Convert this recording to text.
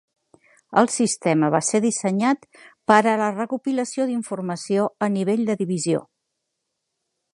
El sistema va ser dissenyat per a la recopilació d'informació a nivell de divisió.